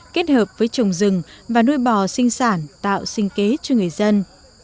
kết hợp với trồng rừng và nuôi bò sinh sản tạo sinh kế cho người dân